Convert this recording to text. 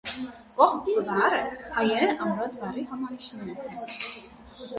Կողբ բառը հայերեն ամրոց բառի հոմանիշներից է։